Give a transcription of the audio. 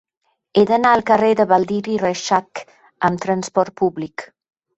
He d'anar al carrer de Baldiri Reixac amb trasport públic.